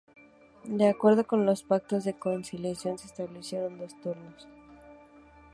De acuerdo con los pactos de coalición, se establecieron dos turnos.